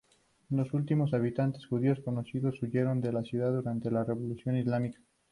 Los últimos habitantes judíos conocidos huyeron de la ciudad durante la Revolución Islámica.